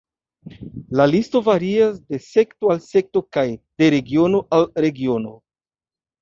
La listo varias de sekto al sekto, kaj de regiono al regiono.